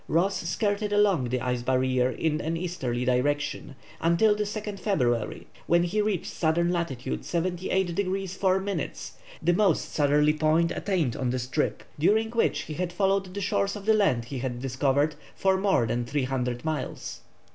Ross skirted along the ice barrier in an easterly direction until the 2nd February, when he reached S. lat. 78 degrees 4 minutes, the most southerly point attained on this trip, during which he had followed the shores of the land he had discovered for more than 300 miles.